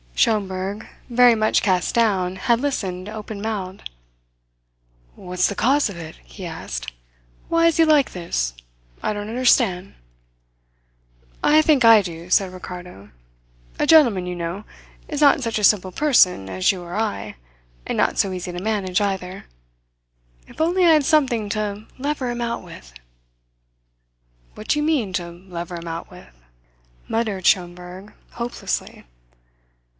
Schomberg, very much cast down, had listened open mouthed. "What's the cause of it?" he asked. "Why is he like this? I don't understand." "I think I do," said Ricardo. "A gentleman, you know, is not such a simple person as you or I; and not so easy to manage, either. If only I had something to lever him out with!" "What do you mean, to lever him out with?" muttered Schomberg hopelessly.